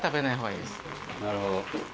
なるほど。